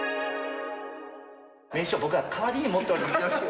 名刺を僕が代わりに持っております。